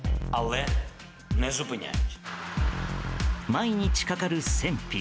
毎日かかる戦費。